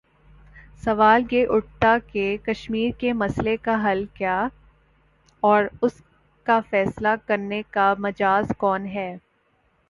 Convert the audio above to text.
سوال یہ اٹھتا کہ کشمیر کے مسئلے کا حل کیا اور اس کا فیصلہ کرنے کا مجاز کون ہے؟